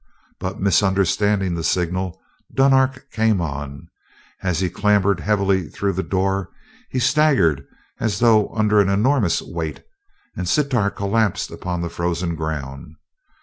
But misunderstanding the signal, Dunark came on. As he clambered heavily through the door he staggered as though under an enormous weight, and Sitar collapsed upon the frozen ground.